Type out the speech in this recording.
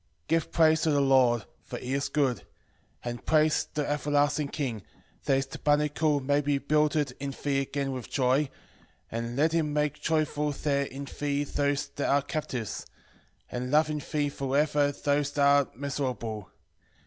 13:10 Give praise to the Lord, for he is good: and praise the everlasting King, that his tabernacle may be builded in thee again with joy, and let him make joyful there in thee those that are captives, and love in thee for ever those that are miserable.